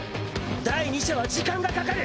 ⁉第二射は時間がかかる！